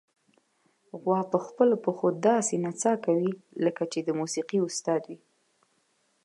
غوا په خپلو پښو داسې نڅا کوي، لکه چې د موسیقۍ استاد وي.